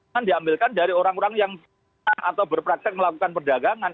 kan diambilkan dari orang orang yang atau berpraktek melakukan perdagangan